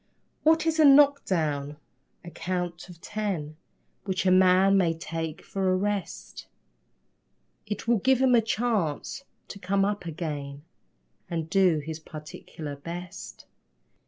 What is a knock down? A count of ten Which a man may take for a rest. It will give him a chance to come up again And do his particular best.